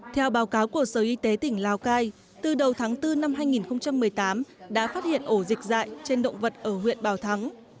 theo báo cáo của sở y tế tỉnh lào cai từ đầu tháng bốn năm hai nghìn một mươi tám đã phát hiện ổ dịch dạy trên động vật ở huyện bảo thắng